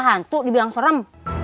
nggak ada hantu dibilang serem